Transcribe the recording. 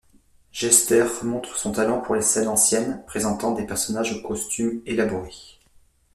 Gechter montre son talent pour les scènes anciennes, présentant des personnages aux costumes élaborés.